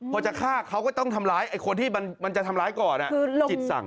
พอจะฆ่าเขาก็ต้องทำร้ายไอ้คนที่มันจะทำร้ายก่อนจิตสั่ง